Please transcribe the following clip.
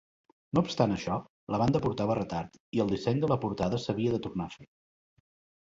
No obstant això, la banda portava retard i el disseny de la portada s'havia de tornar a fer.